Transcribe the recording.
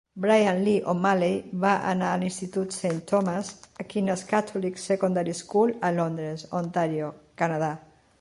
Bryan Lee O'Malley va anar al institut Saint Thomas Aquinas Catholic Secondary School a Londres, Ontario, Canadà.